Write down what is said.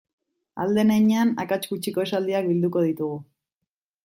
Ahal den heinean akats gutxiko esaldiak bilduko ditugu.